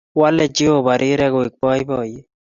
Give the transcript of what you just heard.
Wole Jehova rirek kowek poipoiyet.